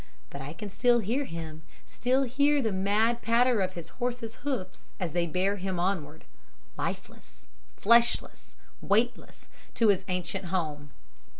But I can still hear him, still hear the mad patter of his horse's hoofs as they bear him onward, lifeless, fleshless, weightless, to his ancient home.